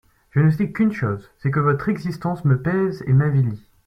Je ne sais qu'une chose, c'est que votre existence me pèse et m'avilit.